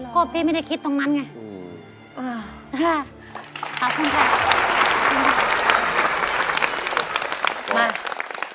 ก็พี่ไม่ได้คิดตรงนั้นไง